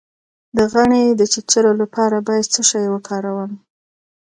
د غڼې د چیچلو لپاره باید څه شی وکاروم؟